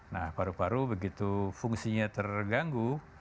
nah paru paru begitu fungsinya terganggu